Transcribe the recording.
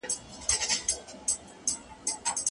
ایا مړ مار په ډګر کي د ږغ او پاڼي لاندې دی؟